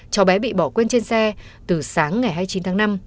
cháu bé bị bỏ quên trên xe từ sáng ngày hai mươi chín tháng năm